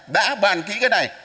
đã bàn kỹ cái này